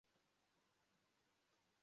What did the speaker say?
Umuhungu wambaye ubururu arimo gutwara igare